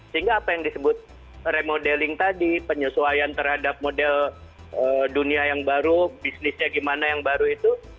sehingga apa yang disebut remodeling tadi penyesuaian terhadap model dunia yang baru bisnisnya gimana yang baru itu